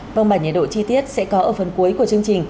vâng bản nhiệt độ chi tiết sẽ có ở phần cuối của chương trình